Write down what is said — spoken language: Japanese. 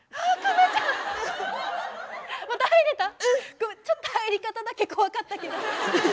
ごめんちょっと入り方だけ怖かったけど。